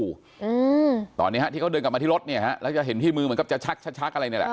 อืมตอนเนี้ยฮะที่เขาเดินกลับมาที่รถเนี่ยฮะแล้วจะเห็นที่มือเหมือนกับจะชักชักชักอะไรเนี่ยแหละ